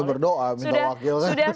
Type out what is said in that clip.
dia berdoa minta wakil